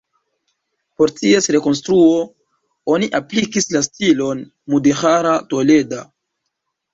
Por ties rekonstruo oni aplikis la stilon mudeĥara toleda.